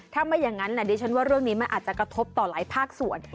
ถ้าไม่อย่างนั้นดิฉันว่าเรื่องนี้มันอาจจะกระทบต่อหลายภาคส่วน